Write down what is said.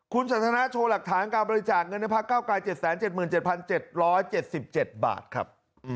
คุณสัตว์ธนาโชว์หลักฐานการบริจาคเงินในภาคเก้ากาย๗๗๗๗๗๗บาทครับ